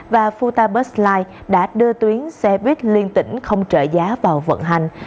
và phuta bus line đã đưa tuyến xe buýt liên tỉnh không trợ giá vào vận hành